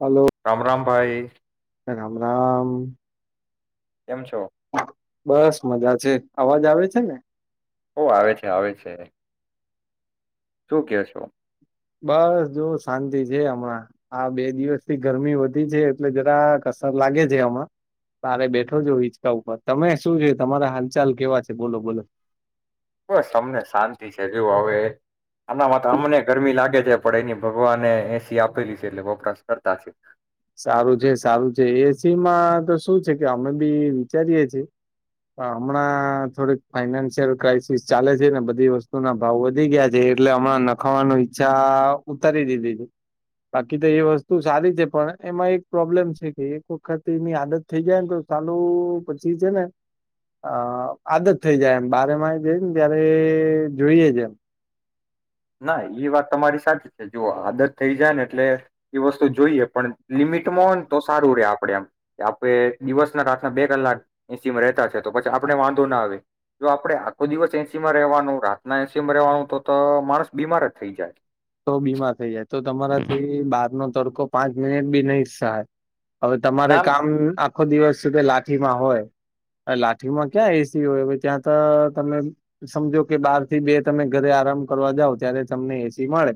Hello Ram Ram. Bye. Ram Ram. કેમ છો? બસ મજા છે અવાજ આવે છે ને? ઓ આવે છે આવે છે. શું કેશો? બસ જો શાંતિ છે હમણાં, આ બે દિવસથી ગરમી વધી છે એટલે જરા કસર લાગે છે આમાં, તારે બેઠો જો હિંચકા ઉપર તમે શું છે, તમારા હાલચાલ કેવા છે બોલો બોલો. બસ અમને શાંતિ છે એવું હવે, આનામાં તો અમને ગરમી લાગે છે પણ એની ભગવાને એસી આપેલી છે એટલે વપરાશ કરતા છે. સારું છે સારું છે એ સીમાં તો શું છે કે અમે બી વિચારીયે છીએ, પણ હમણાં થોડીક ફાઈનાન્શિયલ ક્રાઈસિસ ચાલે છે ને બધી વસ્તુ ના ભાવ વધી ગયા છે એટલે હમણાં નખાવાનું ઈચ્છા ઉતારી દીધી છે, બાકી તો એ વસ્તુ સારી છે પણ એમાં એક પ્રોબ્લેમ છે કે એક વખત એની આદત થઈ જાય ને તો ચાલું પછી છે ને, આદત થઈ જાય એમ બારેમાંય જાય ને ત્યારે જોઈએ જ એમ. ના એ વાત તમારી સાચી છે જો આદત થઈ જાય ને એટલે એ વસ્તુ જોઈએ પણ લિમિટમાં હોય ને તો સારું રે આપડે આમ કે આપે દિવસ ના રાતના બે કલાક એસીમાં રેતા છે તો પછી આપણે વાંધો ના આવે જો આપડે આખો દિવસ એસી માં રેવાનું રાતના એસી માં રવાનું તો તો માણસ બીમાર જ થઈ જાય. તો બીમાર થઈ જાય તો તમારાથી બાર નો સડ કો પાંચ મિનટ ભી નહી સહાય. હવે તમારે ના કામ- આખો દિવસ સુધી લાઠીમાં હોય, લાઠીમાં ક્યાં એસી હોય ત્યાં તો તમે સમજો કે બાર થી બે તમે ઘરે આરામ કરવા જાવ ત્યારે તમને એ સી સી મળે,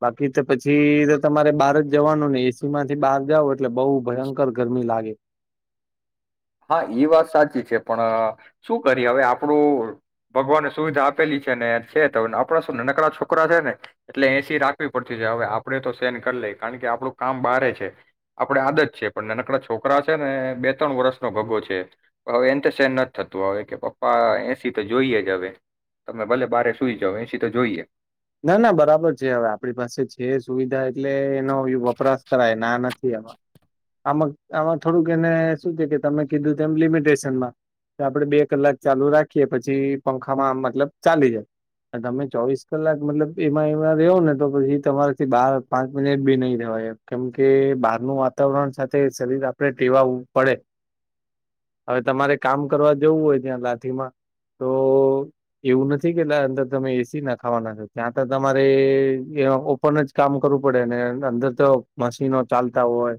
બાકી તો પછી તમારે બહાર જ જવાનું ને એસી માંથી બહાર જાવ એટલે બહઉ ભયંકર ગરમી લાગે. હા એ વાત સાચી છે પણ શું કરીએ હવે આપડું ભગવાને સુવિધા આપેલી છે ને છે તો આપડા શું નનકડા છોકરા છે ને એટલે એસી રાખવી પડતી છે હવે આપડણે તો સેન કરી લઈ કારણ કે આપણું કામ બારે છે આપડ આદત છે પણ નનકડા છોકરા છે ને બે ત્રણ વર્ષ ભગો છે, હવે એ તો સેન નથી થતું હ કે પપ્પા એ સી તો જોઈએ જ હવે, તમે ભલે બારે સુઈ જાવ એ સી તો જોઈએ. ના ના બરાબર છે હવે આપણી પાસે છે સુવિધા એટલે વપરાશ કરાય ના. આ, આમાં થોડુંક એને શું છે કે તમે કીધું એમ લિમિટેશનમાં, કે આપડે બે કલાક ચાલુ રાખીએ પછી પંખામાં મતલબ ચાલી જાય, તમે ચોવીસ કલાક મતલબ એમાં એમાં રહો ને તો પછી તમારેથી બહાર પાંચ મિનિટ બી નહી રહેવાય, કેમ કે બહારનું વાતાવરણ સાથે શરીર આપણે ટેવા પડે, હવે તમારે કામ કરવા જવું હોય ત્યાં લાઠીમાં તો એવું નથી કે અંદર તમે એસી નાખો થવાના છે ત્યાં તો તમારે એ ઓપન જ કામ કરવું પડે ને અંદર તો મશીનો ચાલતા હોય,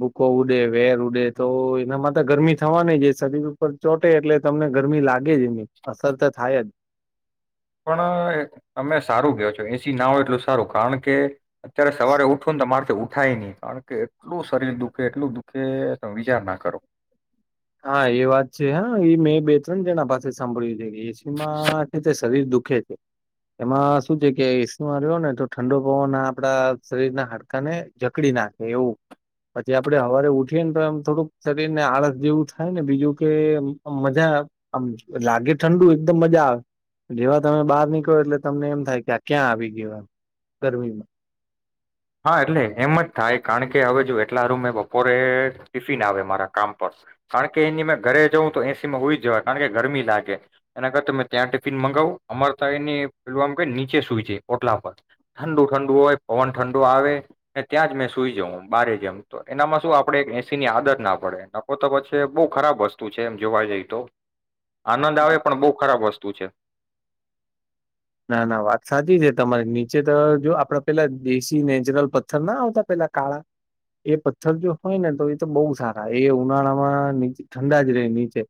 બૂકો ઉડે વેર ઉડે તો એનામાં તો ગરમી થવાની છે શરીર ઉપર ચોટે એટલે તમને ગરમી લાગે જ એની અસર તો થાય જ. પણ તમે સારું કયો છો એ સી ના હો એટલું સારું કારણ કે અત્યારે સવારે ઉઠવું ને તમાર ઉઠાય નહી કારણ કે એટલું શરીર દુઃખે એટલું દુખે તમે વિચાર ના કરો. હા એ વાત છે હા એ મેં બે ત્રણ તેના પાસે સાંભળ્યું. એ સી માં એટલે શરીર દુઃખ એમાં શું છે કે સર્યો ને તો ઠંડો પવન ના આપડા શરીર ના હાડકાને જકડી નાખે એવું, પછી આપડણે સવારે ઉઠીએ ને તો એમ થોડુંક શરીર ને આળસ જેવું થાય ને બીજું કે મજા આમ લાગે ઠંડુ એકદમ મજા આવે, જેવા તમે બહાર નીકળો એટલે તમને એમ થાય કે આ ક્યાં આવી ગયોવા, ગરમીમાં. હા એટલે એમ જ થાય કારણ કે હવે જો એટલા રૂમે બપોરે ટિફિન આવે મારા કામ પર, કારણ કે એની મે ઘરે જઉં તો એસીમાં હોઈ જય કારણ કે ગરમી લાગે, એના કરતા મેં ત્યાં ટિફિન મગાવું અમાર તો એની પેલ કે નીચે સુઈ જાય ઓટલા પર, ઠંડુ ઠંડુ હોય પવન ઠંડો આવે ને ત્યાં જ મેં સુઈ જઉં બરે જેમ તો એનામાં શું આપડણે એ સી ની આદત ના પડે નફ તો પછી બહુ ખરાબ વસ્તુ છે એમ જોવા જઈ તો. આનંદ આવે પણ બહુ ખરાબ વસ્તુ. તું છે. ના ના વાત સાચી છે તમારે નીચે તો જો આપડા પેલા દેશી નેચરલ પથ્થર ના આવતા પેલા કાળા, એ પથ્થર જો હોય ને તો એ તો બહ સારા એ ઉનાળામાં ઠંડા જ ર નીચે,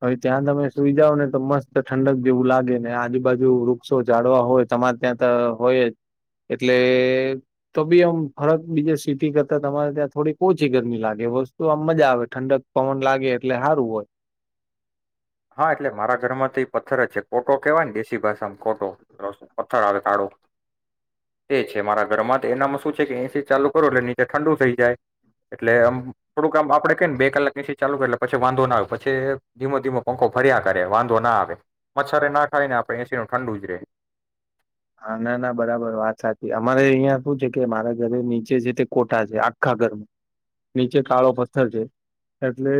હવે ત્યાં તમે સુઈ જાાવ ને તો મસ્ત ઠંડક જેવું લાગે ને આજુબાજુ વો જાડવા હોય તમારે ત્યાં તો હોય, એટલે તો બી આમ ફરક બીજે સિટી કરતા તમારે ત્યાં થોડી ઓછી ગરમી લાગે વસ્તુ આમ મજા આવે ઠંડક પવન લાગે એટલે સારું હોય. હા એટલે મારા ઘરમાં તો એ પથ્થર જ છે કોટો કેહેવાય ને દેશી ભાષામાં કોટો પથ્થર આવે કાળો, એ છે મારા ઘરમાં તો એનામાં શું છે કે એસી ચાલુ કરું એટ નીચે ઠંડુ થઈ જાય, એટલે આમ થોડું કામ આપડે ક ને બે કલાક એસી ચાલુ કરે એટલે પછી વાંધો ના આવે પછી ધીમો ધીમો પંખો ફર્યા કરે વાંધો ના આવે, મચ્છરે ના ખાય ને આપે એસીીણું ઠંડુ જ રહેે. હ ના ના બરાબર વાત સાચી અમારે અહિયાં શું છે કે મારા ઘરે નીચે છે તે કોઠા છે આખા ઘરમાં, નીચે કાળો પથ્થર છે,, એટલે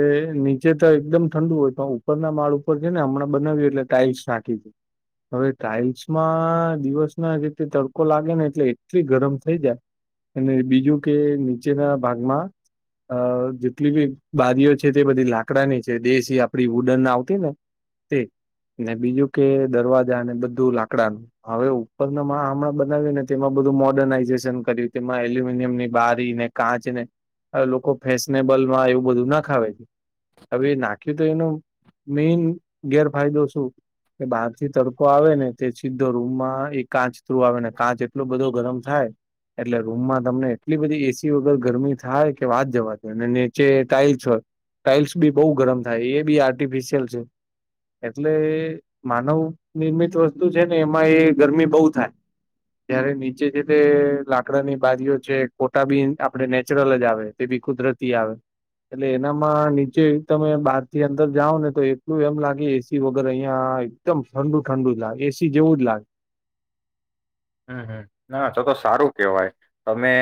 નીચે તો એકદમ ઠંડુ હોય પણ ઉપરના માળ ઉપર છે ને હમણાં બનાવ્યું એટલે ટાાઈલ્સ નાખી છે, હવે ટાઈલ્સમાં દિવસ ના રીતે તડકો લાગે ને એટલે એટલી ગરમ થઈ જાય, અને બીજું કે નીચેના ભાગમાં જેટલી બી બારીઓ છે તે બધી લાકડાની છે દેશી આપડી વુડન આવતી ને, તે ને બીજું કે દરવાજા અને બધું લાકડાનું. હવે ઉપરના માં હમણાં બનાવી ને તેમાં બધું મોર્ડર્નાઈઝેશન કર્યું તેમાં એલ્યુમિનિયમ ની બારી ને કાચ ને લોકો ફેશનેબલમાં એવું બધું નાખાવે છે હવે એ નાખ્યું તો એનો મેઈન ગેરફાયદો શું કે બહારથી તડકો આવે ને તેથી. રૂમમાં એ કાચ થ્રુ આવે ને કાચ એટલો બધો ગરમ થાય એટલે રૂમમાં તમને એટલી બધી એસી વગર ગરમી થાય કે વાત જવા દ અને નીચે ટાાઈલ્સ હોય ટાાઈલ્સ બી બહ ગરમ થાય એ બી આર્ટિફિશિયલ છે એટલે માનવ નિર્મિત વસ્તુ છે. ને એમાં એ ગરમી બહુ થાય, જય્યારે નીચે જે તે લાકડાની બારીઓ છે કોટા બી આપે નેચરલ જ આવે તે બી કુદરતી આવે, એટલે એનામાં નીચે તમે બહારથી અંદર જાઓ ને તો એટલું એમ લાગે એસી વગર અહિયાં એકદમ ઠંડુ ઠંડુ લે એ જેવું જ લાગે. હમ હમ ના તો તો સારું કેહેવાય તમે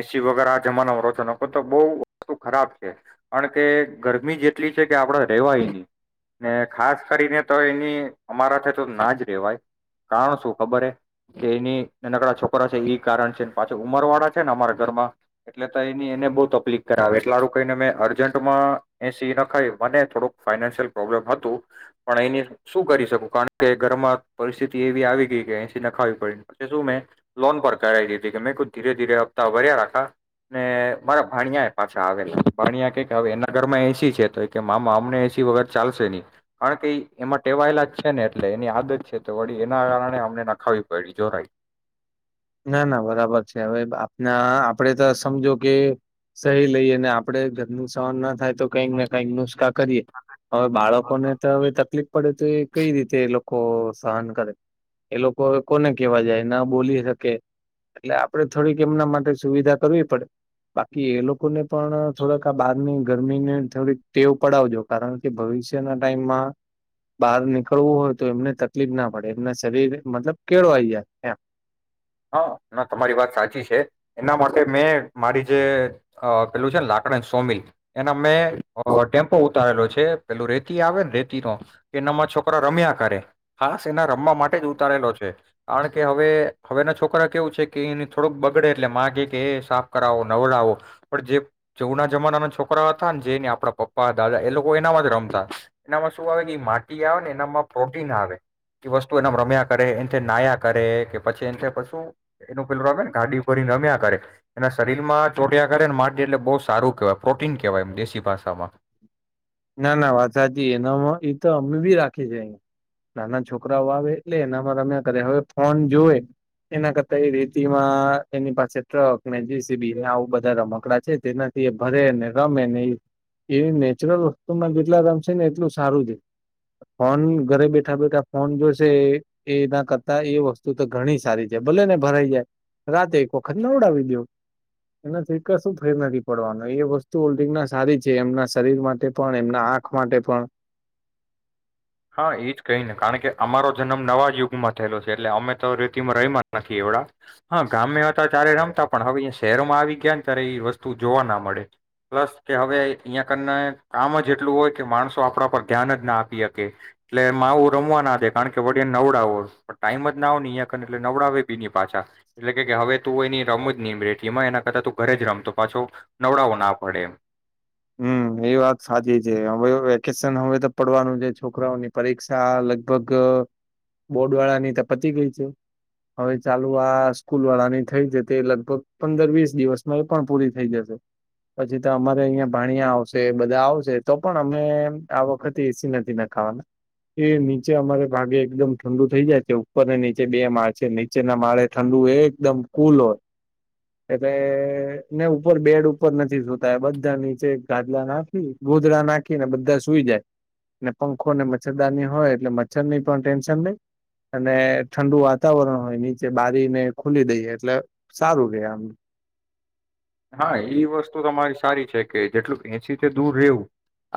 એસી વગેરે આ જમાનામાં રો છો નખો તો બહ વસ્તુ ખરાબ છે કારણ કે ગરમી જેટલી છે કે આપડ રેવાય ન ને ખાસ કરીને તો એની અમારા તો ના જ રેવાય કારણ શું ખબર હ. કે એની નનકડા છોકરા છે એ કારણ છે પાછા ઉંમર વાળા છે ને અમારા ઘરમાં એટલે તો એની એને બહુ તકલીક કરાવે એટલેારું કઈને મેં અર્જન્ટમાં એસી ના ખાય મને થોડુંક ફાઈનાન્શિયલ પ્રોબ્લેમ હતું પણ એની શું કરી શકું કારણ કે ઘરમાં પરિસ્થિતિ એવી આવી ગઈ કે એસી ન ખાય પડ તે શું મે લોન પર કરાવી દીધી કે મેં ક ધીરે ધીરે હપ્તા ભર્યા રાખા ને મારા ભાણિયા એ પાસે આવેલા ભાણિયા કે હવે એના ઘર માં એસી છે તો કે મામા અમને એસી વગર ચાલશે નહી કારણ કે એમાં ટેવાયેલા જ છે ને એટલે એની આદત છે વળી એના કારણે અમને નખાવી પ વડી ચોરાય. ના ના બરાબર છે હવે આપના આપડે તો સમજો કે સહી લઈએ ને આપડ ઘરનું સવાર ના થાય કઈક ને કઈક નુસ્ખા કરીએ હવે બાળકોને તો હવે તકલીફ પડે તો એ કઈ રીતે એ લો કો સહન કરે એ લોકો કોને કેવા જાય ના બોલી કે એટલે આપે થોડીક એમના માટે સુવિધા કરવી પડે બાકી એ લોકોને પણ થોડક આ બહારની ગરમીની થોડીક ટેવ પડાવજો કારણ કે ભવિષ્યના ટાઈમમાં બહાર નીકળવું હોય તો એમને તકલીફ ના પડે એમના શરીર મતલબ કેળવાઈ જાય એમ હા ના તમારી વાત સાચી છે એના માટે મેં મારી જે પેલું છે ને લાકડ સોમિલ એના મેં ટેમ્પો ઉતારેલો છે પેલું રેતી આવે ને રેતી નો કે એનામાં છોકરા રમ્યા કરે ખાસ એના રમવા માટે જ ઉતારેલો છે કારણ કે હવે હવે એના છોકરા કેવું છે કે એને થોડુંક બગડે એટલે માં કે કે એ સાફ કરાવો નવડાવો પણ જે જવના જમાનાના છોકરા હતા ને જેને આપણા પપ્પા દાદા એ લોકો એનામાં જ રમતા એનામાં શું આવે કે માટી આવે ને એનામાં પ્રોટીન આવે એ વસ્તુ એનામાં રમ્યા કરે એ નાયા કરે પછી એ પછું એનું પેલું આવેે ને ગાડી ભરીને રમ્યા કરે એના શરીર માં ચોટ્યા કરે ને માટી એટલે બહુ સારું કેહેવાય પ્રોટીન કેવાય એમ દેશી ભાષામાં ના ના વાસાાજી એનામાં એ તો અમે બી રાખી છે અ નાના છોકરાઓ આવે એટલે એનામાં રમ્યા કરે હવે ફોન જોવે એના કરતા એ રેતીમાં એની પાસે ટ્રક ને જીસીબી આવું બધા રમકડા છે તેનાથી એ ભરે ને રમે ને એ નેચરલ જેટલા રમશે ને એટલું સારું છે ફોન ઘરે બેઠા બેઠા ફોન જોશે એ ના કરતા એ વસ્તુ તો ઘણી સારી છે ભલે ને ભરાઈ જાય રાતે એક વખત ના ઉડાવી દો એનાથી કશું ફેર નથી પડવાનો એ વસ્તુ ઓલ્ડંગ ના સારી છે એમના શરીર માટે પણ એમના આંખ માટે પણ. હા એજ કઈ ને કારણ કે અમારો જન્મ નવા યુગમાં થયેલો છે એટલે અમે તો રેતીમાં રહીમાં જ નથી એડા હા ગામે હતા ત્યારે રમતા પણ હવેયા શહેરોમાં આવી ગયા ને ત્યારે એ વસ્તુ જોવા ના મળે પ્લસ કે હવે અહીંયા કરને કામ જ એટલું હોય કે માણસો આપણા પર ધ્યાન જ ના આપી એટલે માહુ રમવા ના દે કારણ કે વળ નવડાવો. ટાઈમ જ નો અંને એટલે નવડાવે બી પાછા. એટલે કે હવે તું એની રમ જ નહી રેઠ એમાં એના કરતા તું ઘરે જ રમતો. પાછો નવડાવો ના પડે એમ હમ એ વાત સાચી છે. હવે વેકેશન હવે તો પડવાનું છે. છોકરાઓની પરીક્ષા લગભગ બોર્ડ વાળા ની તો પતી ગઈ છે. હવે ચાલુ આ સ્કૂલ વાળાની થઈ છે. તે લગભગ પંદર વીસ દિવસમાં એ પણ પૂરી થઈ જશે. પછી તો અમારે અહિયાં ભાણિયા આવશ છે બધા આવશે તો પણ અમે આ વખતે એસી નથી નખાવાના. એ નીચે અમારે ભાગે એકદમ ઠંડુ થઈ જાય છે, ઉપર ને નીચે બે માળ છે. નીચેના માળે ઠંડુ એ એકદમ કુલ હોય. એટલે ને ઉપર બેડ ઉપર નથી સુતા બધા નીચે ગાદલા નાખી ગોધડા નાખીને બધા સુઈ જાય. ને પંખો ને મચ્છરદાનની હોય એટલે મચ્છર ની પણ ટેન્શન નહી. અને ઠંડુ વાતાવરણ હોય. નીચે બારીને એ ખુલી દઈએ એટલે સારું રે એમ હા એ વસ્તુ તમારી સારી છે કે, જેટલું એસી દૂર રહેવું,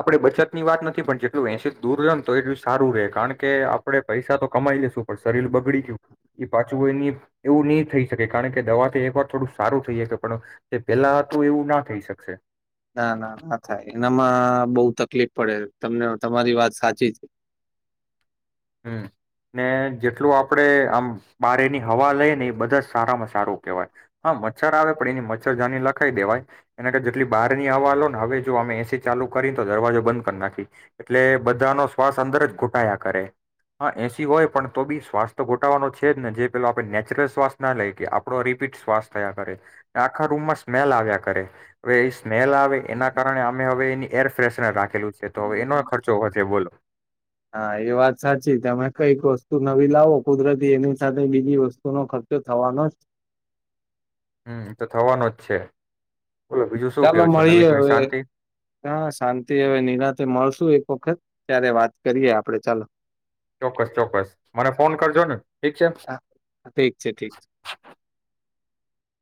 આપડે બચત ની વાત નથી પણ જેટલું એસી દૂર રહે ને તો એટલું સારું રહે. કારણ કે આપડણે પૈસા તો કમાઈ લેશું, પણ શરીર બગડી ગયું, એ પાછું એની એવું નહી થઈ શકે કારણ કે દવાથી એક વાર થોડું સારું થઈ શકે પણ તે પેલા હતું એવું ના થઈ શકશે ના ના ના થાય એનામાં બહુ તકલીફ પડે. તમને તમારી વાત સાચી છે. હમ્મ ને જેટલું આપડે આમ બારી ની હવા લઈ ને એ બધા સારામાં સારું કેહેવાય. હા મચ્છર આવે પણ એની મચ્છરદાની લખાઈ દેવાય, એને કે જેટલી બહારની હવા લોને હવે જો અમે એસી ચાલુ કરીને તો દરવાજો બંધ કરી નાખી. એટલે બધાનો શ્વાસ અંદર જ ઘોટાયા કરે હા એસી હોય પણ તો બી શ્વાસ તો ગોટાવાનો છે જ ને. જે પેલો આપણે નેચરલ શ્વાસ ના લઈ કે આપડો રિપીટ શ્વાસ થયા કરે. આખા રૂમમાં સ્મેલ આવ્યા કરે. હવે એ સ્મેલ આવે એના કારણે અમે હવે એની એર પ્રેશનર રાખેલું છે, તો હવે એનો ખર્ચો વધે બોલો હા એ વાત સાચી તમે કઈક વસ્તુ નવી લાવો કુદરતી એની સાથે બીજી વસ્તુનો ખર્ચો થવાનોજ હમ્મ તો થવાનો જ છે. બોલો બીજું શું ચાલો કેવો છો નવી મળીએ જૂની હવે શાંતિ હ શાંતિ હવે નિરાતે મળશુ એક વખત ત્યારે વાત કરીએ આપડે ચાલો ચોક્કસ ચોક્કસ મને ફોન કરજો ને. ઠીક છે. હા ઠીક છે ઠીક છે.